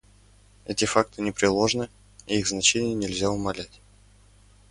Эти факты непреложны, и их значение нельзя умалять.